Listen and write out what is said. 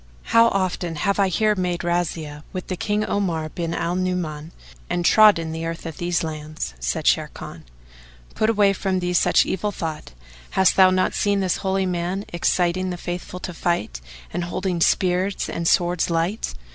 How often have I here made razzias with King Omar bin al Nu'uman and trodden the earth of these lands!" Said Sharrkan, "Put away from thee such evil thought, hast thou not seen this Holy Man exciting the Faithful to fight, and holding spears and swords light?